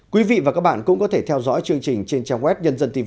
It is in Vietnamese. quý vị và các bạn cũng có thể theo dõi chương trình trên trang web nhân dân tv